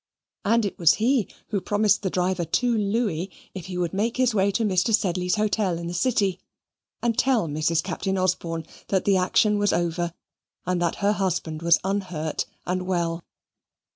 And it was he who promised the driver two louis if he would make his way to Mr. Sedley's hotel in the city; and tell Mrs. Captain Osborne that the action was over, and that her husband was unhurt and well.